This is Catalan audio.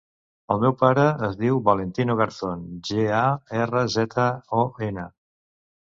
El meu pare es diu Valentino Garzon: ge, a, erra, zeta, o, ena.